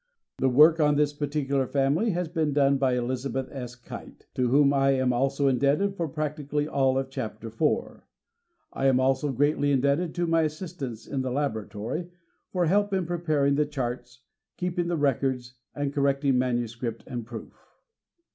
The work on this particular family has been done by Elizabeth S. Kite, to whom I am also indebted for prac tically all of Chapter IV. I am also greatly indebted to my assistants in the laboratory, for help in preparing the charts, keeping the records, and correcting manuscript and proof.